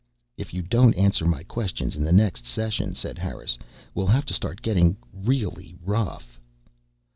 "If you don't answer my questions in the next session," said Harris, "we'll have to start getting really rough."